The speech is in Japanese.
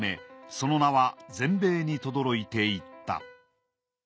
その名は全米にとどろいていった。